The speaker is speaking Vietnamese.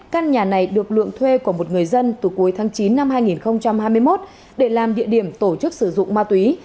căn nhà này được lượng thuê của một người dân từ cuối tháng chín năm hai nghìn hai mươi một để làm địa điểm tổ chức sử dụng ma túy